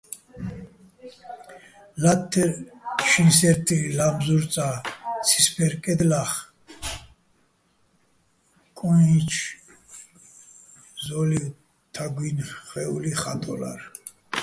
ლა́თთერ შინსე́რთლილიჼ ლა́მზურ წა, ცისბერ კედლა́ხ კუიჩო̆ ზო́ლივ თაგუჲნი̆ ხვე́ული ხა́ტოლაშ.